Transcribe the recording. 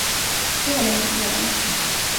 Det var länge sedan.